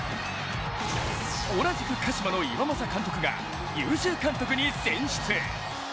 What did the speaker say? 同じく鹿島の岩政監督が優秀監督に選出。